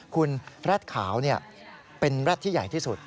คุณแร็ดขาวเป็นแร็ดที่ใหญ่ที่สุด